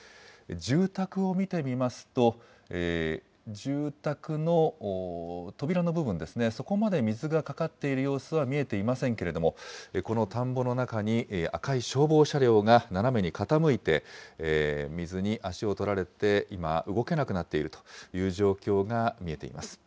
住宅を見てみますと、住宅の扉の部分ですね、そこまで水がかかっている様子は見えていませんけれども、この田んぼの中に赤い消防車両が斜めに傾いて、水に足を取られて今、動けなくなっているという状況が見えています。